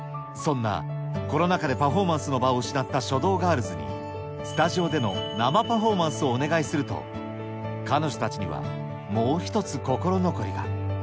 そんなコロナ禍でパフォーマンスの場を失った書道ガールズに、スタジオでの生パフォーマンスをお願いすると、彼女たちにはもう一つ心残りが。